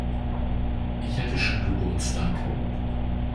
Ich hatte schon Geburtstag.